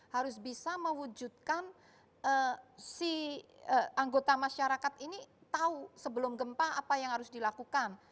harus bisa mewujudkan si anggota masyarakat ini tahu sebelum gempa apa yang harus dilakukan